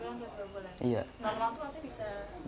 normal itu maksudnya bisa